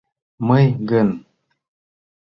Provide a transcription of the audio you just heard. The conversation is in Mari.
Мый гын...